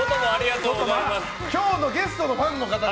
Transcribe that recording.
今日のゲストのファンの方が。